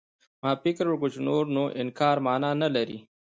ما فکر وکړ چې نور نو انکار مانا نه لري.